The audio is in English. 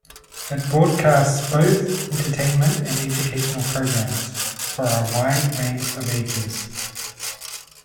It broadcasts both entertainment and educational programmes, for a wide range of ages.